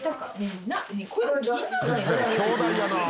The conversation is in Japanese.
きょうだいやなあ。